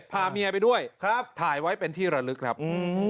พาเมียไปด้วยครับถ่ายไว้เป็นที่ระลึกครับ